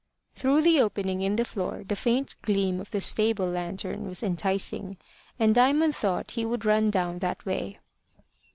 Through the opening in the floor the faint gleam of the stable lantern was enticing, and Diamond thought he would run down that way.